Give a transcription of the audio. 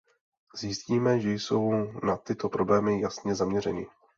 Zjistíme, že jsou na tyto problémy jasně zaměřeni.